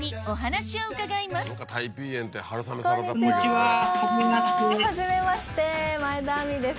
はじめまして前田亜美です。